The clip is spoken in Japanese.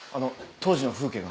当時の風景が。